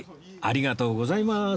ありがとうございます